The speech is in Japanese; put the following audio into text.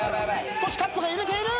少しカップが揺れている。